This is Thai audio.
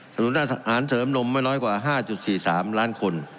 นุนอาหารเสริมนมไม่น้อยกว่า๕๔๓ล้านคน